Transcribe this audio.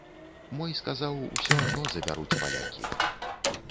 Мой сказаў, усё адно забяруць палякі.